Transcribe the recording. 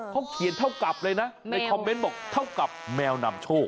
เขาเขียนเท่ากับเลยนะในคอมเมนต์บอกเท่ากับแมวนำโชค